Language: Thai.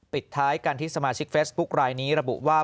ปิดท้ายกันที่สมาชิกเฟซบุ๊คลายนี้ระบุว่า